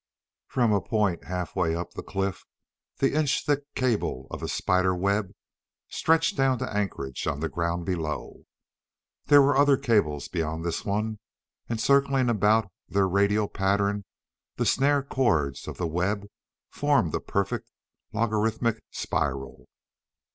From a point halfway up the cliff the inch thick cable of a spider web stretched down to anchorage on the ground below. There were other cables beyond this one and circling about their radial pattern the snare cords of the web formed a perfect logarithmic spiral.